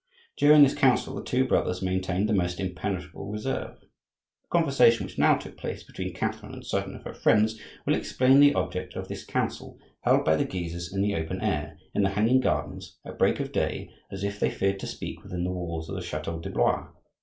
During this council the two brothers maintained the most impenetrable reserve. A conversation which now took place between Catherine and certain of her friends will explain the object of this council, held by the Guises in the open air, in the hanging gardens, at break of day, as if they feared to speak within the walls of the chateau de Blois.